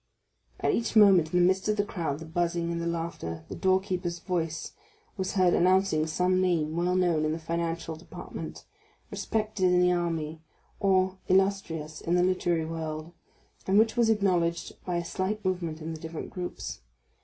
At each moment, in the midst of the crowd, the buzzing, and the laughter, the door keeper's voice was heard announcing some name well known in the financial department, respected in the army, or illustrious in the literary world, and which was acknowledged by a slight movement in the different groups.